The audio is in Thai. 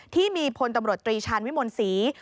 ที่มีพลตำรวจตรีชาญวิมลศรี